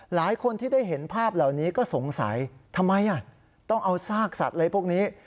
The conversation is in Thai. หลายคนที่ได้เห็นภาพเหล่านี้ก็สงสัยทำไมต้องเอาซากสัตว์อะไรพวกนี้